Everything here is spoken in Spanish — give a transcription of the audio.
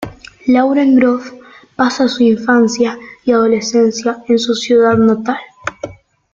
Lauren Groff pasa su infancia y adolescencia en su ciudad natal.